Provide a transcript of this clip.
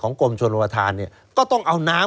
ของกรมชลวทานเนี่ยก็ต้องเอาน้ำ